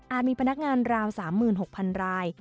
มีพนักงานราว๓๖๐๐๐ราย